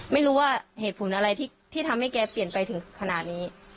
ไม่รู้ว่าเหตุผลอะไรที่ทำให้แกเปลี่ยนไปถึงขนาดนี้